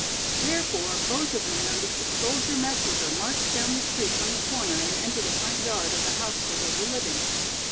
Therefore both of them noticed a soldier messenger march down the street from the corner and enter the front yard of the house where they were living.